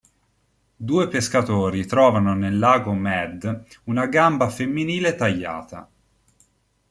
Due pescatori trovano nel lago Mead una gamba femminile tagliata.